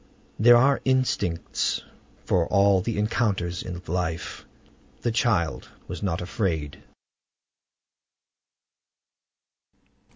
There are instincts for all the encounters of life. The child was not afraid.